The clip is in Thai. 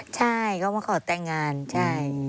ใช่เขามาขอแต่งงานใช่